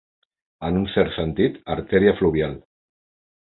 En un cert sentit, artèria fluvial.